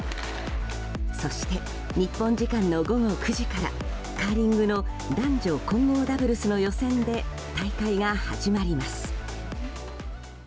そして、日本時間の午後９時からカーリングの男女混合ダブルスの予選で大会が始まります。